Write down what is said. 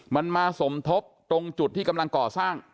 มันมาสมทบตรงจุดที่กำลังก่อสร้าง